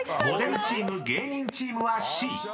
［モデルチーム芸人チームはＣ］